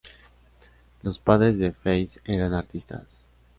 Los padres de Feist eran artistas.